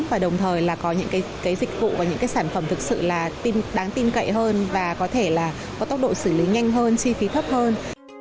có những cái dịch vụ và những cái sản phẩm thực sự là đáng tin cậy hơn và có thể là có tốc độ xử lý nhanh hơn chi phí thấp hơn